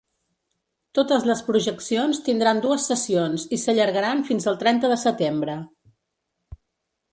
Totes les projeccions tindran dues sessions i s’allargaran fins al trenta de setembre.